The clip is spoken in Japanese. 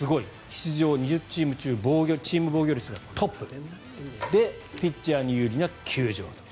出場２０チーム中チーム防御率がトップでで、ピッチャーに有利な球場と。